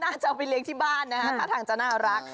น่าจะเอาไปเลี้ยงที่บ้านนะคะน่าจะน่ารัก